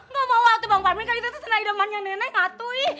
gak mau itu bang panmin kan itu senang hidup mama yang nenek gak tuh